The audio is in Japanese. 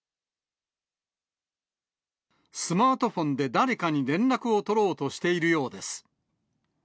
スマートフォンで誰かに連絡を取ろうとしているようです。